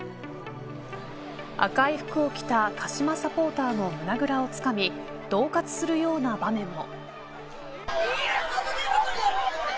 赤い服を着た鹿島サポーターの胸ぐらをつかみどう喝するような場面も。